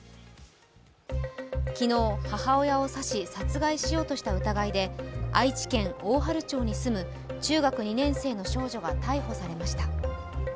昨日、母親を刺し殺害しようとした疑いで愛知県大治町に住む中学２年生の少女が逮捕されました。